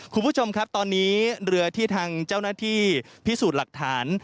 คุณผู้ชมครับตอนนี้เรือที่ทางเจ้าหน้าที่พิสูจน์หลักฐาน